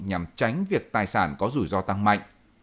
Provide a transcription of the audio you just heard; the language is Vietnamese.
nhằm tránh việc tài sản có rủi ro tăng mạnh